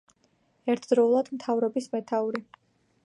ერთდროულად მტავრობის მეთაური.